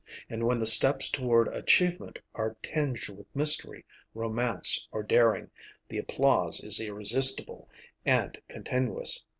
And when the steps toward achievement are tinged with mystery, romance, or daring, the applause is irresistible and continuous.